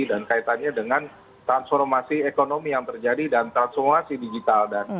dan kaitannya dengan transformasi ekonomi yang terjadi dan transformasi digital